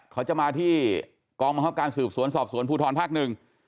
เขาจะมาที่กองบังคับการสืบสวนสอบสวนภูทรภาคหนึ่ง